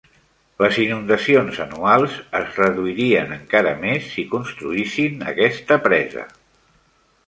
Les inundacions anuals es reduirien encara més si construïssin aquesta presa.